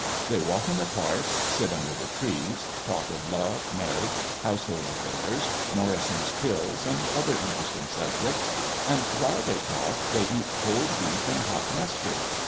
They walk in the park, sit under the trees, talk of love, marriage, household affairs, Morrison's pills, and other interesting subjects; and while they talk, they eat cold beef and hot mustard.